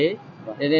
đi đường thì hạn chế